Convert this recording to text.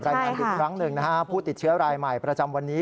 รายงานอีกครั้งหนึ่งนะฮะผู้ติดเชื้อรายใหม่ประจำวันนี้